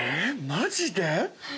マジで？